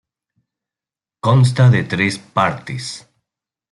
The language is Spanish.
Consta de tres partes.